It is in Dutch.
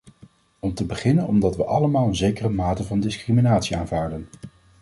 Om te beginnen omdat we allemaal een zekere mate van discriminatie aanvaarden.